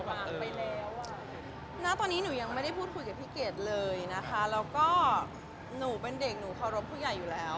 ณตอนนี้หนูยังไม่ได้พูดคุยกับพี่เกดเลยนะคะแล้วก็หนูเป็นเด็กหนูเคารพผู้ใหญ่อยู่แล้ว